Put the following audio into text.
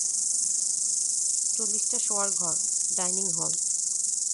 চল্লিশটা শোয়ার ঘোর, ডাইনিং হল।